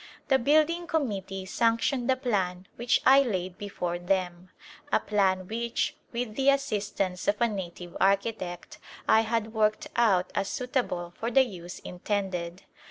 The Building Committee sanctioned the plan which I laid before them — a plan which, with the assistance of a native architect, I had worked out as suitable for the use intended.